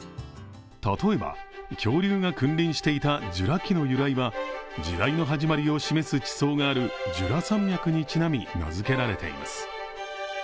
例えば、恐竜が君臨していたジュラ紀の由来は時代の始まりを示す地層があるジュラ山脈にちなみ名付けられています。